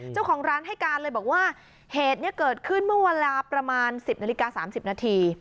เจ้าของร้านให้การเลยบอกว่าเหตุนี้เกิดขึ้นเมื่อเวลาประมาณ๑๐นาฬิกา๓๐นาที